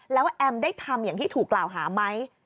แล้วแอมได้ทำอย่างที่ถูกกล่าวหาไหม